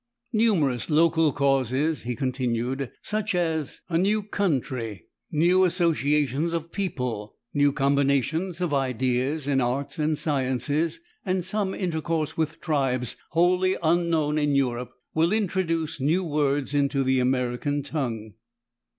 "Numerous local causes," he continued, "such as a new country, new associations of people, new combinations of ideas in arts and sciences, and some intercourse with tribes wholly unknown in Europe, will introduce new words into the American tongue.